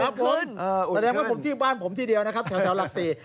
อุ่นขึ้นแสดงครับผมที่บ้านผมที่เดียวนะครับแถวหลักศรี